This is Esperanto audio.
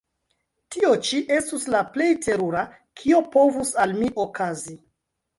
tio ĉi estus la plej terura, kio povus al mi okazi.